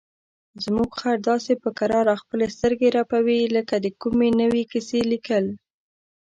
زموږ خر داسې په کراره خپلې سترګې رپوي لکه د کومې نوې کیسې لیکل.